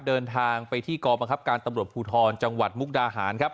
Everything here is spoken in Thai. เดินทางไปที่กรบังคับการตำรวจภูทรจังหวัดมุกดาหารครับ